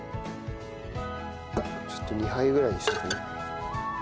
ちょっと２杯ぐらいにしとくね。